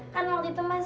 kan waktu itu mas